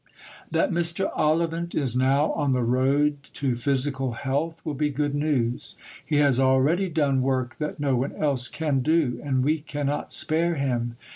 That Mr. Ollivant is now on the road to physical health will be good news. He has already done work that no one else can do, and we cannot spare him.